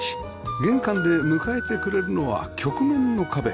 玄関で迎えてくれるのは曲面の壁